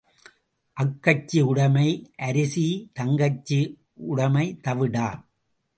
அக்கச்சி உடைமை அரிசி தங்கச்சி உடைமை தவிடா?